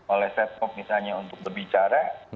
oleh setpop misalnya untuk berbicara